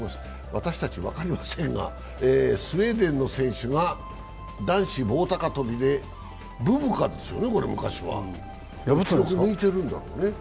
私たち分かりませんが、スウェーデンの選手が男子棒高跳びでブブカですよね、昔は。